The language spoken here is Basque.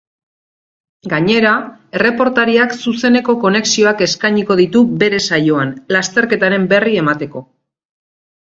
Gainera, erreportariak zuzeneko konexioak eskainiko ditu bere saioan, lasterketaren berri emateko.